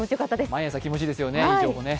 毎朝気持ちいいですよね、いい情報ね。